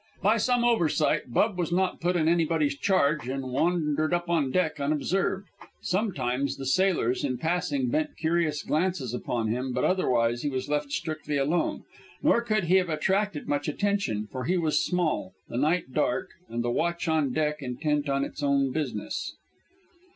By some oversight, Bub was not put in anybody's charge, and wandered up on deck unobserved. Sometimes the sailors, in passing, bent curious glances upon him, but otherwise he was left strictly alone. Nor could he have attracted much attention, for he was small, the night dark, and the watch on deck intent on its own business.